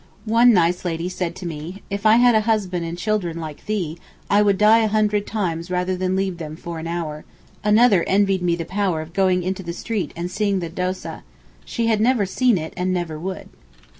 One nice lady said to me, 'If I had a husband and children like thee, I would die a hundred times rather than leave them for an hour,' another envied me the power of going into the street and seeing the Dóseh. She had never seen it, and never would.